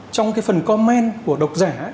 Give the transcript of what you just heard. trong cái phần comment của độc giả